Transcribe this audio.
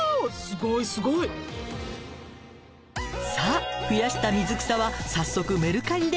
すごいすごい。さあ増やした水草は早速メルカリで出品よ。